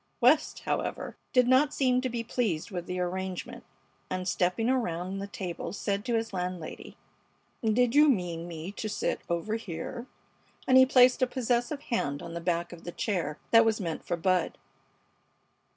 West, however, did not seem to be pleased with the arrangement, and, stepping around the table, said to his landlady: "Did you mean me to sit over here?" and he placed a possessive hand on the back of the chair that was meant for Bud.